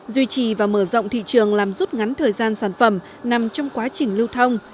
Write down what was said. duy trì và mở rộng thị trường làm rút ngắn thời gian sản phẩm nằm trong quá trình lưu thông